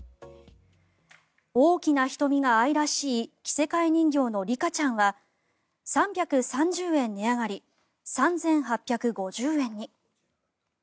大きな瞳が愛らしい着せ替え人形のリカちゃんは３３０円値上がり３８５０円に。